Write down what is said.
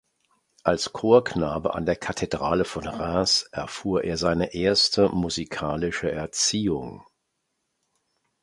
Als Chorknabe an der Kathedrale von Reims erfuhr er seine erste musikalische Erziehung.